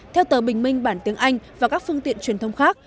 theo tờ bình minh bản tiếng anh và các phương tiện truyền thông khác